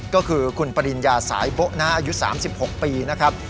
ก็คือคุณปริญญาสายโบ๊ะอายุ๓๖ปีนะครับ